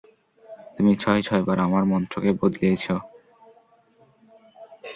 তুমি ছয়-ছয়বার আমার মন্ত্রকে বদলিয়েছ।